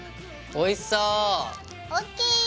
おいしそ。